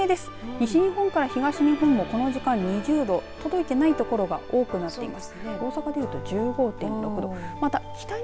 西日本から東日本もこの時間２０度届いていない所が多くなっています。